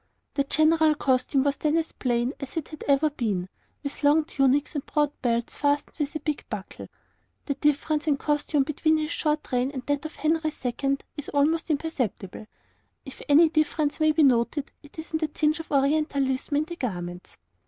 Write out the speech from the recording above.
The general costume was then as plain as it had ever been, with long tunics and broad belts fastened by a big buckle. The difference in costume between this short reign and that of Henry II. is almost imperceptible; if any difference may be noted, it is in the tinge of Orientalism in the garments.